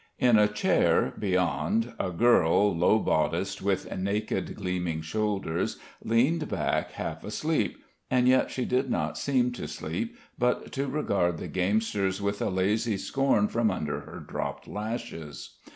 In a chair, beyond, a girl, low bodiced, with naked gleaming shoulders, leaned back half asleep; and yet she did not seem to sleep, but to regard the gamesters with a lazy scorn from under her dropped lashes.